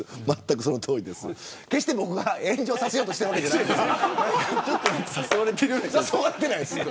決して僕が炎上させようとしているわけではないですよ。